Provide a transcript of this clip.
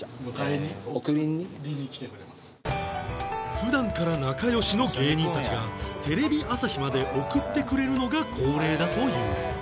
普段から仲良しの芸人たちがテレビ朝日まで送ってくれるのが恒例だという